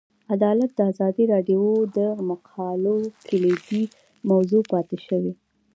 عدالت د ازادي راډیو د مقالو کلیدي موضوع پاتې شوی.